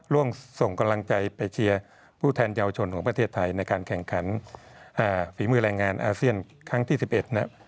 ร่วมส่งกำลังใจไปเชียร์ผู้แทนเยาวชนของประเทศไทยในการแข่งขันฝีมือแรงงานอาเซียนครั้งที่๑๑นะครับ